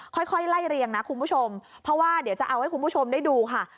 ค่อยไล่เรียงนะคุณผู้ชมเพราะว่าเดี๋ยวจะเอาให้คุณผู้ชมได้ดูค่ะ